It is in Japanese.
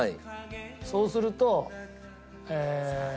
そうするとええ